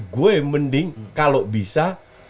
gue mending kalau bisa